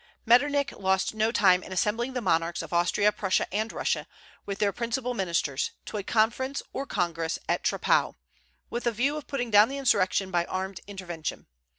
Metternich lost no time in assembling the monarchs of Austria, Prussia, and Russia, with their principal ministers, to a conference or congress at Troppau, with a view of putting down the insurrection by armed intervention.